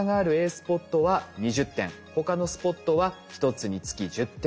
スポットは２０点他のスポットは１つにつき１０点獲得。